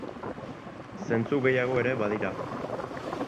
Zentzu gehiago ere badira.